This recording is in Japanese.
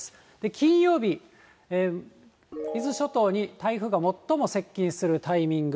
金曜日、伊豆諸島に台風が最も接近するタイミング。